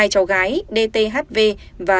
hai cháu gái dthv và dthv sinh năm hai nghìn một mươi ba